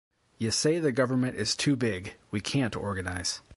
You say the government is too big; we can't organize.